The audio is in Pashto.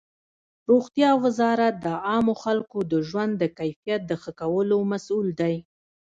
روغتیا وزارت د عامو خلکو د ژوند د کیفیت د ښه کولو مسؤل دی.